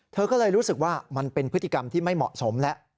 เธอก็เลยรู้สึกว่ามันเป็นพฤติกรรมที่ไม่เหมาะสมแล้ว